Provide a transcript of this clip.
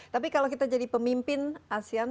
tapi kalau kita jadi pemimpin asean apa yang akan kita lakukan